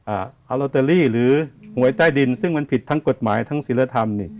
อาลอตเตอรี่หรือหวยใต้ดินซึ่งมันผิดทั้งกฎหมายทั้งศิลธรรมนี่